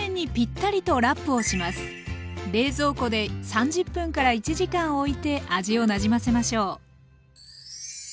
冷蔵庫で３０分から１時間おいて味をなじませましょう。